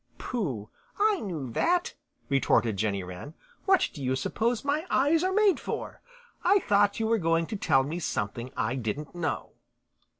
"Pooh! I knew that," retorted Jenny Wren. "What do you suppose my eyes are make for? I thought you were going to tell me something I didn't know."